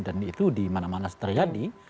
dan itu dimana mana terjadi